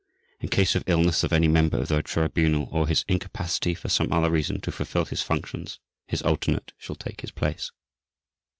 In case of illness of any member of the Tribunal or his incapacity for some other reason to fulfill his functions, his alternate shall take his place.